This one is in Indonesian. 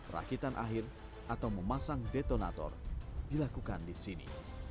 rakitan akhir atau memasang detonator dilakukan di sini